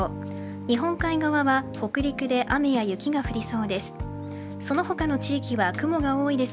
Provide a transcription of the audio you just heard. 日本海側は北陸で雨や雪が降りそうです。